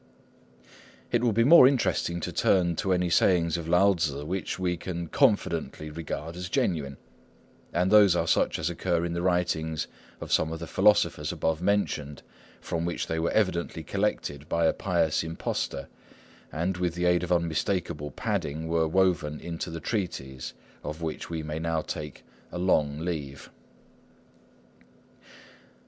It will be more interesting to turn to any sayings of Lao Tzŭ which we can confidently regard as genuine; and those are such as occur in the writings of some of the philosophers above mentioned, from which they were evidently collected by a pious impostor, and, with the aid of unmistakable padding, were woven into the treatise, of which we may now take a long leave.